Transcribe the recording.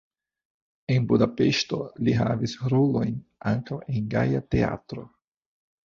En Budapeŝto li havis rolojn ankaŭ en "Gaja Teatro".